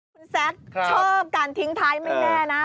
คุณแซคชอบการทิ้งท้ายไม่แน่นะ